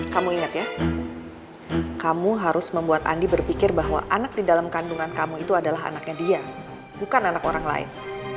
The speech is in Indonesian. kamu ingat ya kamu harus membuat andi berpikir bahwa anak di dalam kandungan kamu itu adalah anaknya dia bukan anak orang lain